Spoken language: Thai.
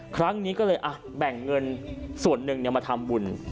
ครั้งนี้ก็เลยแบ่งเงินส่วนหนึ่งมาทำบุญ